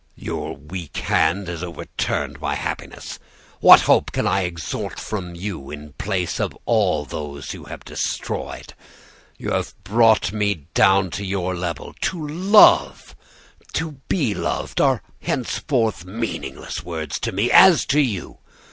Your weak hand has overturned my happiness. What hope can I extort from you in place of all those you have destroyed? You have brought me down to your level. To love, to be loved! are henceforth meaningless words to me, as to you.